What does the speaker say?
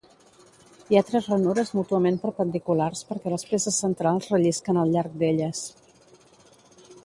Hi ha tres ranures mútuament perpendiculars perquè les peces centrals rellisquen al llarg d'elles.